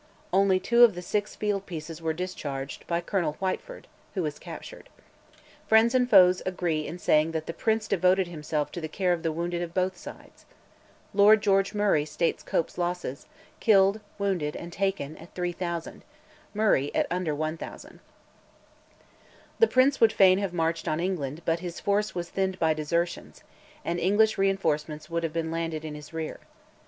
Only two of the six field pieces were discharged, by Colonel Whitefoord, who was captured. Friends and foes agree in saying that the Prince devoted himself to the care of the wounded of both sides. Lord George Murray states Cope's losses, killed, wounded, and taken, at 3000, Murray, at under 1000. The Prince would fain have marched on England, but his force was thinned by desertions, and English reinforcements would have been landed in his rear.